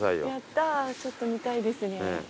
ちょっと見たいですね。